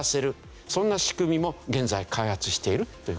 そんな仕組みも現在開発しているという事ですね。